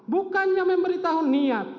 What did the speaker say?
bukannya memberitahu niat